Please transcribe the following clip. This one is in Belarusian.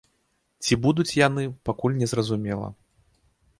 Ці будуць яны, пакуль незразумела.